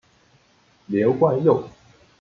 刘冠佑。